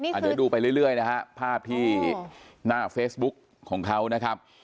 เดี๋ยวดูไปเรื่อยนะฮะภาพที่หน้าเฟซบุ๊กของเขานะครับ